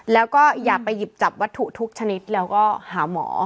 แล้วก็อย่าไปหยิบจับวัตถุทุกชนิดแล้วก็หาหมอ